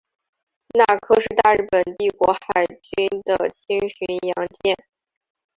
那珂是大日本帝国海军的轻巡洋舰。